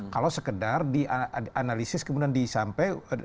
kalau sekedar dianalisis kemudian disampaikan